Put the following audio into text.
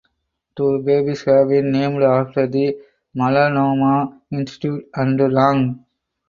Two babies have been named after the Melanoma Institute and Long.